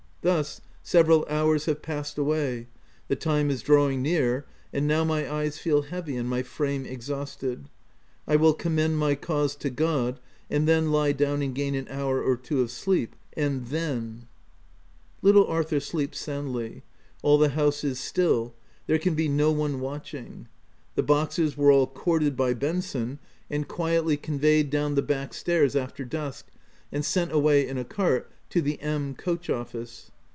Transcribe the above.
Thus several hours have past away : the time is drawing near ;— and now my eyes feel heavy, and my frame exhausted : I will com mend my cause to God, and then lie down and gain an hour or two of sleep ; and then !— Little Arthur sleeps soundly. All the house is still : there can be no one watching. The boxes were all corded by Benson, and quietly OF WILDFELL HALL. 113 conveyed down the back stairs after dusk, and sent away in a cart to the M — coach office.